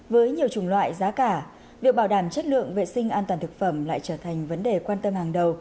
với nhiều chủng loại giá cả việc bảo đảm chất lượng vệ sinh an toàn thực phẩm lại trở thành vấn đề quan tâm hàng đầu